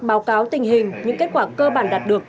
báo cáo tình hình những kết quả cơ bản đạt được